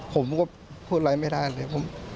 ผมก็พูดอะไรไม่ได้เลย